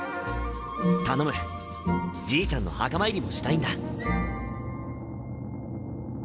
頼むじいちゃんの墓参りもしたいんだ。